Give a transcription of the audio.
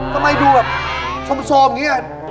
ทำไมดูแบบโซมอย่างนี้